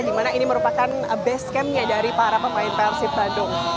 di mana ini merupakan base camp nya dari para pemain persib bandung